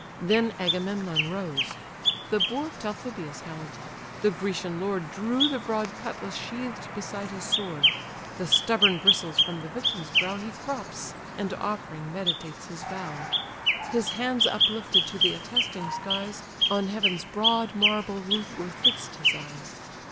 then Agamemnon rose: The boar Talthybius held: the Grecian lord Drew the broad cutlass sheath'd beside his sword: The stubborn bristles from the victim's brow He crops, and offering meditates his vow. His hands uplifted to the attesting skies, On heaven's broad marble roof were fixed his eyes.